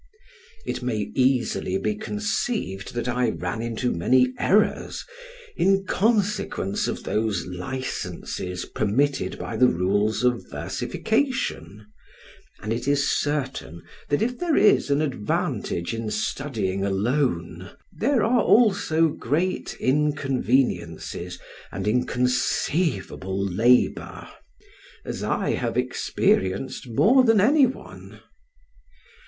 It may easily be conceived that I ran into many errors in consequence of those licenses permitted by the rules of versification; and it is certain, that if there is an advantage in studying alone, there are also great inconveniences and inconceivable labor, as I have experienced more than any one.